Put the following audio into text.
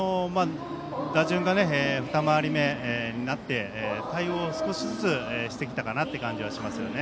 打順がふた回り目になって対応を少しずつしてきたかなという感じはします。